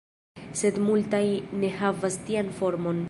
Sed multaj ne havas tian formon.